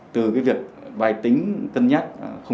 từ cái việc bài tính cân nhắc